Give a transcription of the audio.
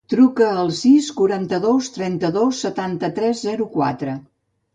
Truca al sis, quaranta-dos, trenta-dos, setanta-tres, zero, quatre.